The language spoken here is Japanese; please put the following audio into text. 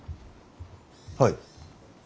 はい。